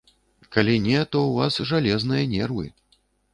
Калі не, то ў вас жалезныя нервы!